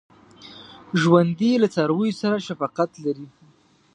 ژوندي له څارویو سره شفقت لري